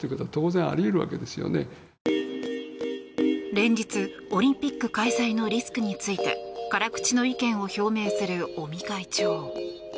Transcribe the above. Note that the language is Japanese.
連日、オリンピック開催のリスクについて辛口の意見を表明する尾身会長。